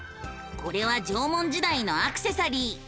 これは縄文時代のアクセサリー。